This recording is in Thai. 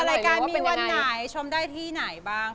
รายการมีวันไหนชมได้ที่ไหนบ้าง